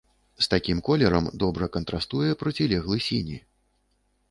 З такім колерам добра кантрастуе процілеглы сіні.